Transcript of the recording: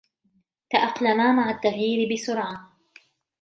تأقلما مع التغيير بسرعة.